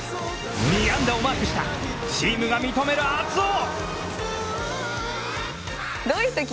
２安打をマークした、チームが認める熱男！！